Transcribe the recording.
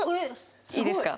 いいですか？